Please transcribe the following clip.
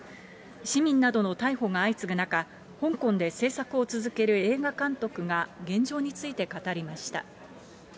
市民などの逮捕が相次ぐ中、香港でせいさくを続ける映画監督が、現状について語りました。